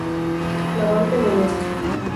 La Barthe-de-Neste